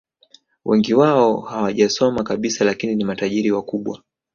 Wengi wao hawajasoma kabisa lakini ni matajiri wakubwa